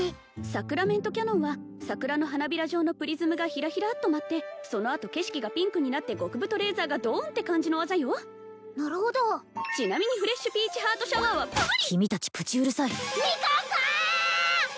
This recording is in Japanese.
サクラメントキャノンは桜の花びら状のプリズムがひらひらっと舞ってそのあと景色がピンクになって極太レーザーがドーンって感じの技よなるほどちなみにフレッシュピーチハートシャワーは君達プチうるさいミカンさん！